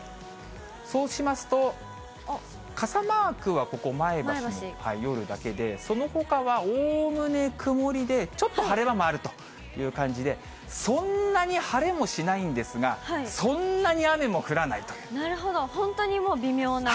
そうしますと、傘マークはここ、前橋、夜だけで、そのほかはおおむね曇りで、ちょっと晴れ間もあるという感じで、そんなに晴れもしないんですが、なるほど、本当にもう微妙な。